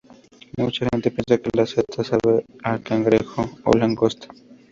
Mucha gente piensa que la seta sabe a cangrejo o langosta.